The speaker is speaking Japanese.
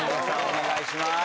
お願いします